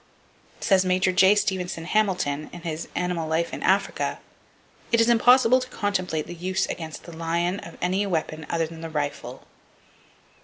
Says Major J. Stevenson Hamilton in his "Animal Life in Africa:" "It is impossible to contemplate the use against the lion of any other weapon than the rifle."